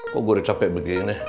kok gue udah capek begini